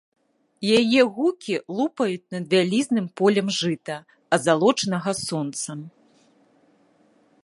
Яе гукі лупаюць над вялізным полем жыта, азалочанага сонцам.